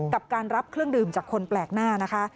กับการรับเครื่องดื่มจากคนแปลกหน้านะคะ